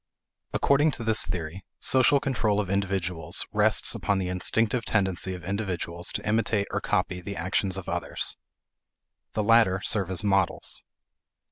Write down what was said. According to this theory, social control of individuals rests upon the instinctive tendency of individuals to imitate or copy the actions of others. The latter serve as models.